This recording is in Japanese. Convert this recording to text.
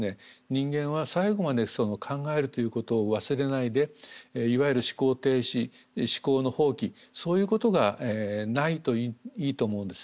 人間は最後まで考えるということを忘れないでいわゆる思考停止思考の放棄そういうことがないといいと思うんです。